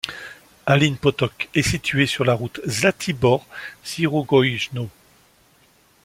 Alin Potok est situé sur la route Zlatibor-Sirogojno.